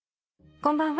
こんばんは。